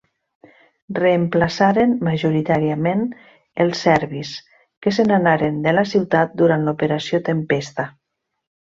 Reemplaçaren majoritàriament els serbis, que se n'anaren de la ciutat durant l'Operació Tempesta.